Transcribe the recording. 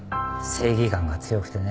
正義感が強くてね